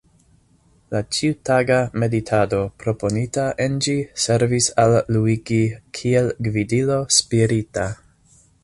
La ĉiutaga meditado proponita en ĝi servis al Luigi kiel gvidilo spirita.